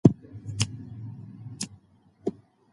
خو بې پروايي ستونزې زیاتوي.